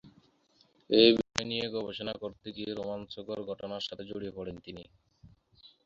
এই বিষয় নিয়ে গবেষণা করতে গিয়ে রোমাঞ্চকর ঘটনার সাথে জড়িয়ে পড়েন তিনি।